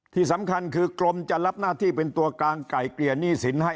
ที่สำคัญคือกรมจะรับหน้าที่เป็นตัวกลางไก่เกลี่ยหนี้สินให้